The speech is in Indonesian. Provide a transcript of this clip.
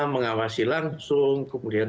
mengawasi langsung kemudian